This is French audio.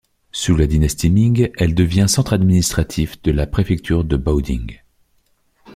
Sous la dynastie Ming, elle devient centre administratif de la préfecture de Baoding.